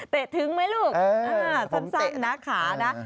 ถึงไหมลูกสั้นนะขานะ